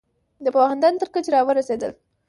د پوهنتون تر کچې را ورسیدل